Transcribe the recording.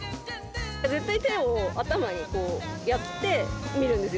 絶対手を頭にやって見るんですよ。